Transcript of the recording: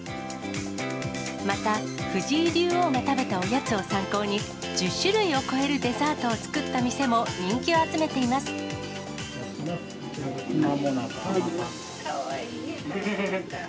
また、藤井竜王が食べたおやつを参考に、１０種類を超えるデザートを作った店も人気を集めてかわいい。